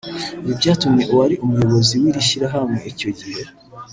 Ibi byatumye uwari umuyobozi w’iri shyirahamwe icyo gihe